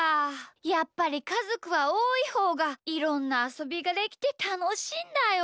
やっぱりかぞくはおおいほうがいろんなあそびができてたのしいんだよ！